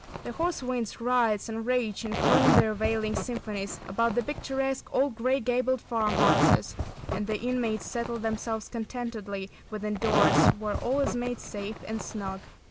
The hoarse winds rise and rage and croon their wailing symphonies about the picturesque old gray gabled farmhouses, and the inmates settle themselves contentedly within doors where all is made safe and snug.